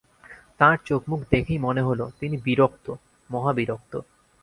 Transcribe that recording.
তাঁর চোখমুখ দেখেই মনে হল, তিনি বিরক্ত, মহাবিরক্ত।